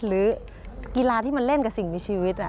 หรือกีฬาที่มันเล่นกับสิ่งมีชีวิต